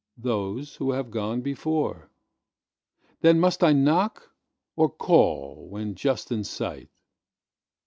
Those who have gone before. Then must I knock, or call when just in sight?